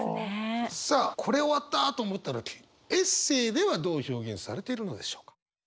「これ終わった」と思った時エッセーではどう表現されているのでしょうか。